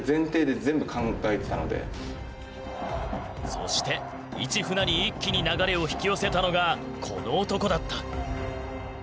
そして市船に一気に流れを引き寄せたのがこの男だった。